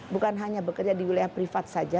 bukan hanya bekerja di wilayah privat saja